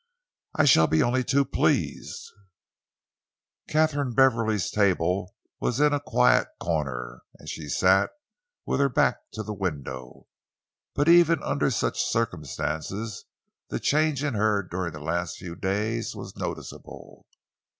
"I shall be only too pleased." Katharine Beverley's table was in a quiet corner, and she sat with her back to the window, but even under such circumstances the change in her during the last few days was noticeable.